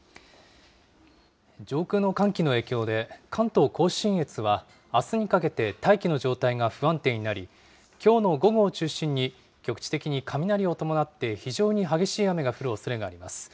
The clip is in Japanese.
上空の寒気の影響で、関東甲信越は、あすにかけて大気の状態が不安定になり、きょうの午後を中心に、局地的に雷を伴って非常に激しい雨が降るおそれがあります。